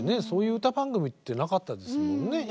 そういう歌番組ってなかったですもんね。